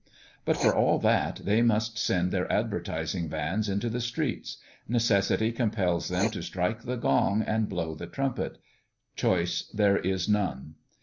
But, for all that, they must send their advertising vans into the streets; necessity compels them to strike the gong and blow the trumpet; choice there is none.